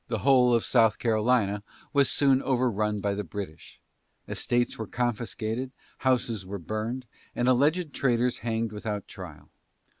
The whole of South Carolina was soon overrun by the British; estates were confiscated, houses were burned, and alleged traitors hanged without trial.